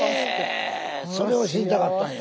それを知りたかったんや。